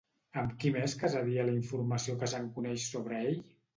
Amb qui més casaria la informació que se'n coneix sobre ell?